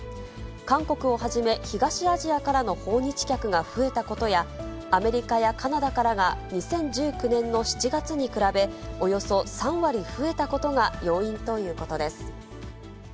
韓国をはじめ、東アジアからの訪日客が増えたことや、アメリカやカナダからが２０１９年の７月に比べ、およそ３割増えたことが要因ということです。